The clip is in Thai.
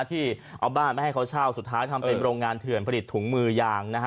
ที่เอาบ้านไม่ให้เขาเช่าสุดท้ายทำเป็นโรงงานเถื่อนผลิตถุงมือยางนะฮะ